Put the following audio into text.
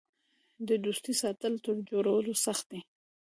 د دوستۍ ساتل تر جوړولو سخت دي.